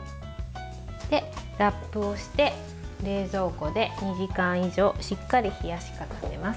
ラップをして冷蔵庫で２時間以上しっかり冷やし固めます。